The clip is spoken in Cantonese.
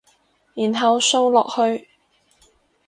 然後掃落去